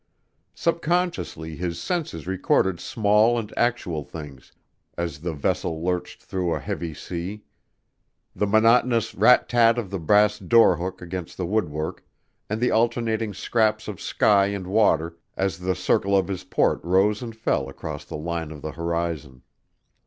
Subconsciously his senses recorded small and actual things as the vessel lurched through a heavy sea: the monotonous rat tat of the brass door hook against the woodwork, and the alternating scraps of sky and water as the circle of his port hole rose and fell across the line of the horizon.